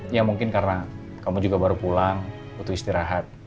ya mungkin karena kamu juga baru pulang untuk istirahat